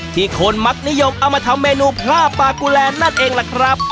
คนมักนิยมเอามาทำเมนูผ้าปลากุแลนนั่นเองล่ะครับ